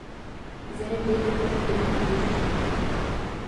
زہر دے کر قتل کرنے کی کوشش کی گئی